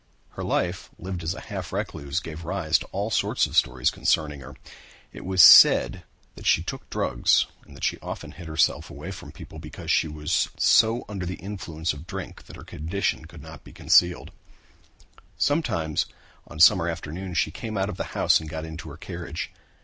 Her life, lived as a half recluse, gave rise to all sorts of stories concerning her. It was said that she took drugs and that she hid herself away from people because she was often so under the influence of drink that her condition could not be concealed. Sometimes on summer afternoons she came out of the house and got into her carriage.